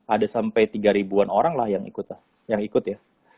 ada sampai tiga ribu an orang lah yang ikut yang ikut ya